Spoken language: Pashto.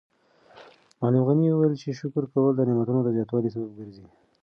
معلم غني وویل چې شکر کول د نعمتونو د زیاتوالي سبب ګرځي.